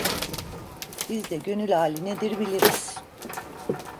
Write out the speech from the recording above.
Biz de gönül hali nedir biliriz.